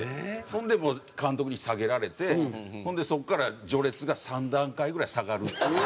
そんでもう監督に下げられてほんでそこから序列が３段階ぐらい下がるっていう。